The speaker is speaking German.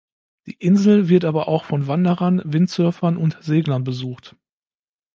Die Insel wird aber auch von Wanderern, Windsurfern und Seglern besucht.